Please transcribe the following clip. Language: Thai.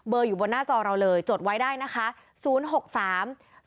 เบอร์อยู่บนหน้าจอเราเลยจดไว้ได้นะคะ๐๖๓๒๓๔๙๘๔๘ค่ะ